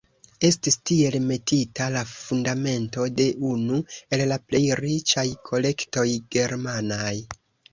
Estis tiel metita la fundamento de unu el la plej riĉaj kolektoj germanaj.